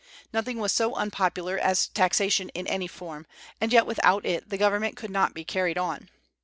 Nothing was so unpopular as taxation in any form, and yet without it the government could not be carried on.